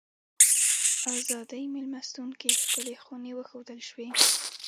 ازادۍ مېلمستون کې ښکلې خونې وښودل شوې.